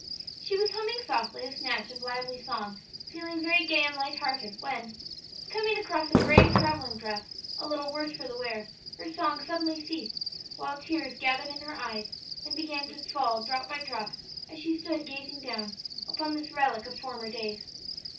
She was humming softly a snatch of lively song, feeling very gay and light hearted, when, coming across a gray travelling dress a little worse for the wear, her song suddenly ceased, while tears gathered in her eyes, then began to fall drop by drop as she stood gazing down, upon this relic of former days.